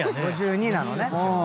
５２なのね。